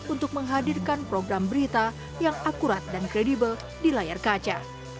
untuk menghadirkan program berita yang akurat dan kredibel di layar kaca